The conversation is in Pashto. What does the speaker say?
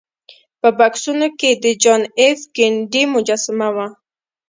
په بکسونو کې د جان ایف کینیډي مجسمه وه